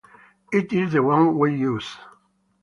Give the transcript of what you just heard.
It is the one we use